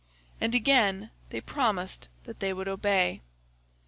And again they promised that they would obey.